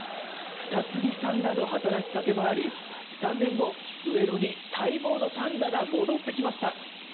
二木さんらの働きかけもあり、３年後、上野に待望のパンダが戻ってきました。